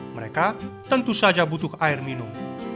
mereka tentu saja butuh air minum